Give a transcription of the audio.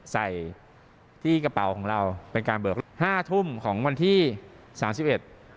ใส่ที่กระเป๋าของเราเป็นการเบิกห้าทุ่มของวันที่สามสิบเอ็ด